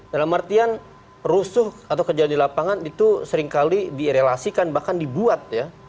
dalam artian rusuh atau kejadian di lapangan itu seringkali direlasikan bahkan dibuat ya